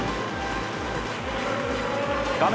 画面